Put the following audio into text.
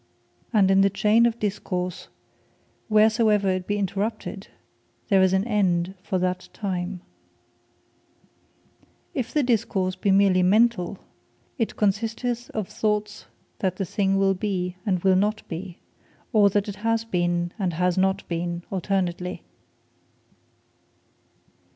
And in the chain of Discourse, wheresoever it be interrupted, there is an End for that time. Judgement, or Sentence Final; Doubt If the Discourse be meerly Mentall, it consisteth of thoughts that the thing will be, and will not be; or that it has been, and has not been, alternately.